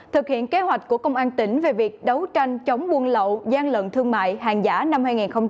thực hiện kế hoạch của công an tỉnh về việc đấu tranh chống buôn lậu gian lận thương mại hàng giả năm hai nghìn hai mươi ba